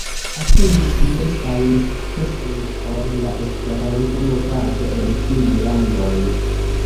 Atingis diversajn sukcesojn por la Esperanto-movado en tiuj landoj.